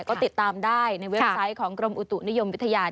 ก็ติดตามได้ในเว็บไซต์ของกรมอุตุนิยมวิทยา